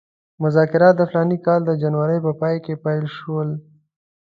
مذاکرات د فلاني کال د جنورۍ په پای کې پیل شول.